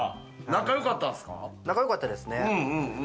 仲良かったですね。